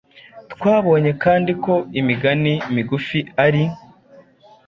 Twabonye kandi ko imigani migufi ari